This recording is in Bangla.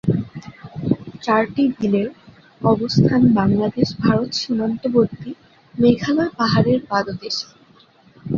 চারটি বিলের অবস্থান বাংলাদেশ-ভারত সীমান্তবর্তী মেঘালয় পাহাড়ের পাদদেশে।